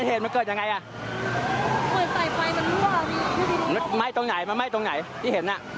เหมือนจะพลุกออกมาเลยพี่